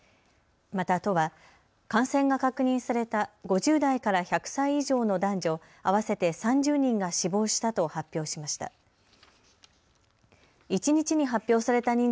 また都は感染が確認された５０代から１００歳以上の男女合わせて３０人が死亡したと発表しました。